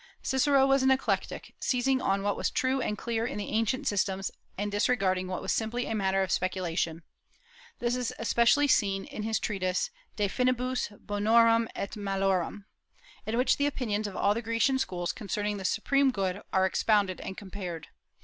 Cicero was an eclectic, seizing on what was true and clear in the ancient systems, and disregarding what was simply a matter of speculation. This is especially seen in his treatise "De Finibus Bonorum et Malorum," in which the opinions of all the Grecian schools concerning the supreme good are expounded and compared.